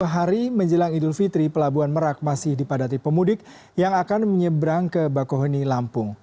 dua hari menjelang idul fitri pelabuhan merak masih dipadati pemudik yang akan menyeberang ke bakohoni lampung